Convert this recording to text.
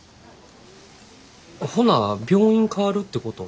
ほな病院変わるってこと？